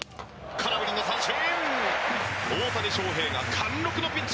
空振りの三振。